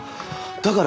だから。